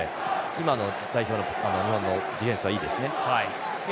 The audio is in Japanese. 今の日本代表のディフェンスはいいですね。